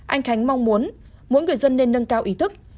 anh khánh mong muốn mỗi người dân nên nâng cao ý thức